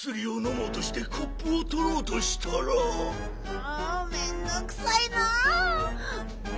もうめんどくさいなあ！